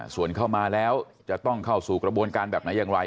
ส่วนเข้ามาแล้วจะต้องเข้าสู่กระบวนการแบบไหนอย่างไร